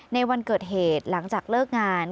ในวันเกิดเหตุหลังจากเลิกงาน